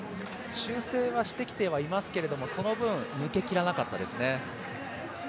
修正はしてきてはいますがその分、抜けきらなかったですね。